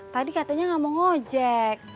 tadi katanya nggak mau ngojek